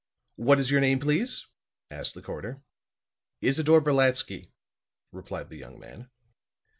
"What is your name, please?" asked the coroner. "Isidore Brolatsky," replied the young man.